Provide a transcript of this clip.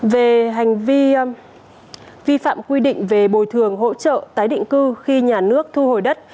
về hành vi vi phạm quy định về bồi thường hỗ trợ tái định cư khi nhà nước thu hồi đất